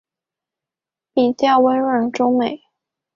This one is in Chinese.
笔调温润而完美